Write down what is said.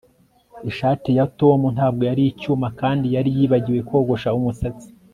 Ishati ya Tom ntabwo yari icyuma kandi yari yibagiwe kogosha umusatsi